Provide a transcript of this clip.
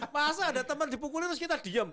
masa ada teman dipukulin terus kita diem